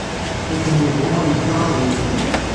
Akken ibɣu yedda ad yellem.